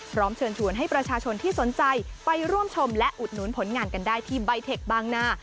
พร้อมเชิญชวนให้ประชาชนที่สนใจไปร่วมชมและอุดหนุนผลงานกันได้ที่ใบเทคบางนา